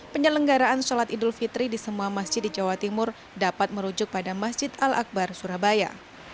penyelenggaraan sholat idul fitri di semua masjid di jawa timur dapat merujuk pada masjid al akbar surabaya